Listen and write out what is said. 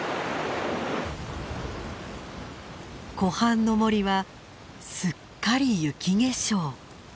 湖畔の森はすっかり雪化粧。